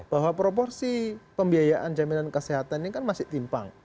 bahwa proporsi pembiayaan jaminan kesehatan ini kan masih timpang